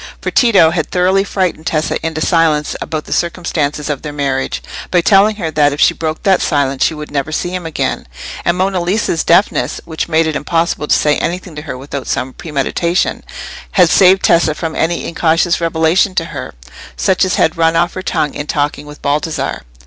For Tito had thoroughly frightened Tessa into silence about the circumstances of their marriage, by telling her that if she broke that silence she would never see him again; and Monna Lisa's deafness, which made it impossible to say anything to her without some premeditation, had saved Tessa from any incautious revelation to her, such as had run off her tongue in talking with Baldassarre.